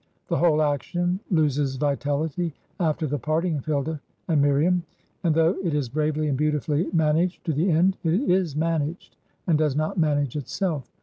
The whole action loses vitality after the parting of Hilda and Miriam; and though it is bravely and beautifully managed to the end, it is managed, and does not manage itself.